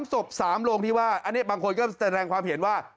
๓ศพ๓โรงที่ว่าอันนี้บางคนก็แสดงความเห็นว่า